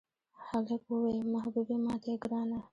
هلک ووې محبوبې ماته یې ګرانه.